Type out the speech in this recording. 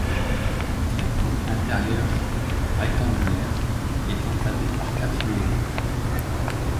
La cour intérieure, ractangulaire, est encadrée par quatre logis.